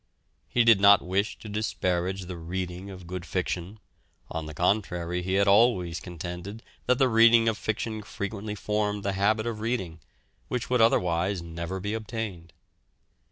He did not wish to disparage the reading of good fiction; on the contrary, he had always contended that the reading of fiction frequently formed the habit of reading, which would otherwise never be obtained.